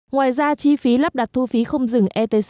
ngoài ra chi phí lắp đặt thu phí không dừng etc